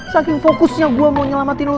saking fokusnya gue mau nyelamatin lo